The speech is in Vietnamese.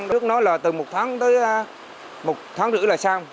trước đó là từ một tháng tới một tháng rưỡi là xong